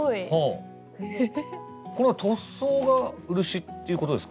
これは塗装が漆っていうことですか？